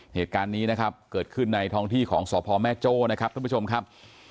เหตุการณ์นี้นะครับเกิดขึ้นในท้องที่ของสพแม่โจ้นะครับท่านผู้ชมครับ